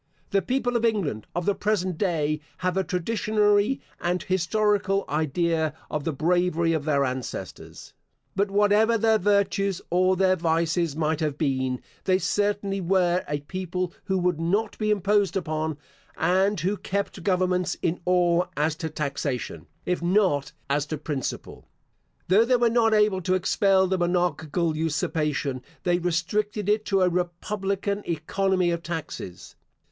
The people of England of the present day, have a traditionary and historical idea of the bravery of their ancestors; but whatever their virtues or their vices might have been, they certainly were a people who would not be imposed upon, and who kept governments in awe as to taxation, if not as to principle. Though they were not able to expel the monarchical usurpation, they restricted it to a republican economy of taxes.